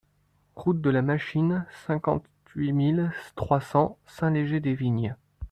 Route de la Machine, cinquante-huit mille trois cents Saint-Léger-des-Vignes